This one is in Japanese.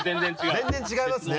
全然違いますね！